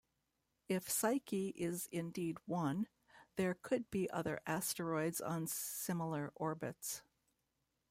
If Psyche is indeed one, there could be other asteroids on similar orbits.